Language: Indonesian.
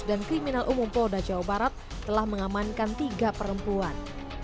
dan kriminal umum polda jawa barat telah mengamankan tiga perempuan